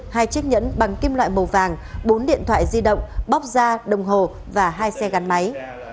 hai chiếc nhẫn bằng kim loại màu vàng bốn điện thoại di động bóp da đồng hồ và hai xe gắn máy